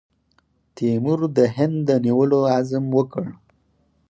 تیمور د هند د نیولو عزم وکړ.